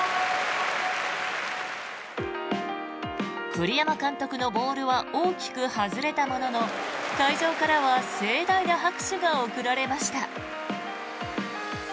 栗山監督のボールは大きく外れたものの会場からは盛大な拍手が送られました。